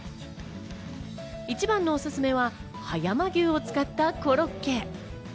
一番のおすすめは葉山牛を使ったコロッケ。